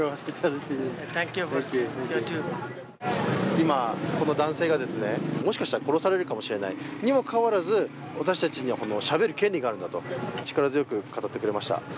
今、この男性がもしかしたら殺されるかもしれない、にもかかわらず、私たちにはしゃべる権利があるんだと力強く語ってくれました。